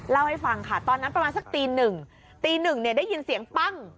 เล่าให้ฟังค่ะตอนนั้นประมาณสักตีหนึ่งตีหนึ่งเนี่ยได้ยินเสียงปั้ง